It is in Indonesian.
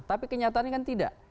tapi kenyataannya kan tidak